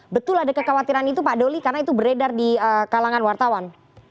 betul ada kekhawatiran itu pak doli karena itu beredar di kalangan wartawan